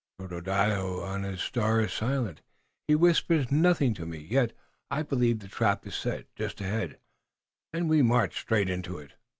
"Tododaho on his star is silent. He whispers nothing to me, yet I believe the trap is set, just ahead, and we march straight into it."